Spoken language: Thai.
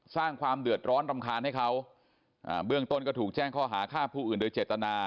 สร้างความเดือดร้อนรำคาญให้เขาอ่าเบื้องต้นก็ถูกแจ้งข้อหาฆ่าผู้อื่นโดยเจตนา